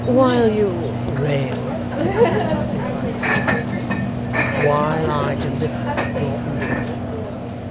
'While you rail?' inquired Sir John. 'While I deliver your infamy.